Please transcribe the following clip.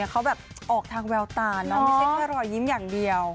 เขาแบบออกทางแววตาไม่ใช่แค่รอยยิ้มอย่างเดียว